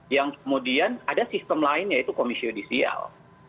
yang kemudian ada sistem lain yaitu komisi judisial